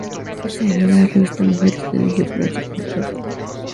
Ese año, la revista Mujeres la eligió para ser portada.